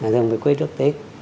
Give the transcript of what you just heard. thường về quê trước tết